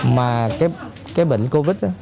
mà cái bệnh covid